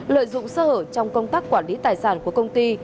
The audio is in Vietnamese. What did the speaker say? lợi dụng sơ hở trong công tác quản lý tài sản của công ty